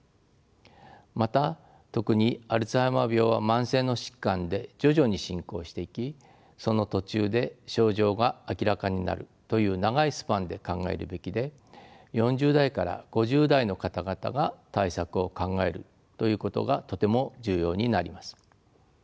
また特にアルツハイマー病は慢性の疾患で徐々に進行していきその途中で症状が明らかになるという長いスパンで考えるべきで４０代から５０代の方々が対策を考えるということがとても重要になります。